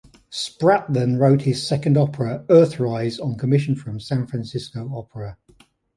Spratlan wrote his second opera, "Earthrise", on commission from San Francisco Opera.